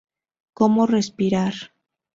Cómo respirar.